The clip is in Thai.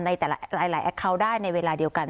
ในแต่ละแอคเคาน์ได้ในเวลาเดียวกัน